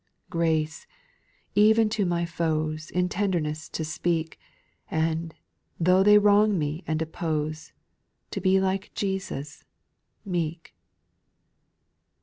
) 7. ^' Grace, even to my foes. In tenderness to speak, And, tho' they wrong me and oppose, To be like Jesus — meek.